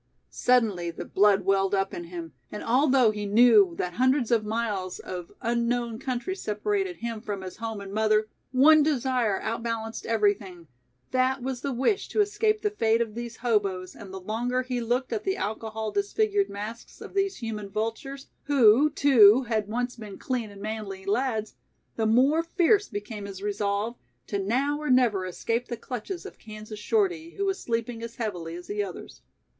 Suddenly the blood welled up in him, and although he knew that hundreds of miles of unknown country separated him from his home and mother, one desire outbalanced everything, that was the wish to escape the fate of these hoboes and the longer he looked at the alcohol disfigured masks of these human vultures who, too, had once been clean and manly lads, the more fierce became his resolve to now or never escape the clutches of Kansas Shorty, who was sleeping as heavily as the others.